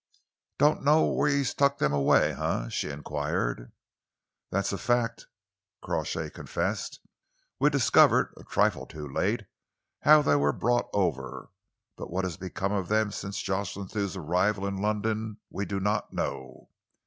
"Don't know where he's tucked them away, eh?" she enquired. "That's a fact," Crawshay confessed. "We discovered, a trifle too late, how they were brought over, but what has become of them since Jocelyn Thew's arrival in London we do not know.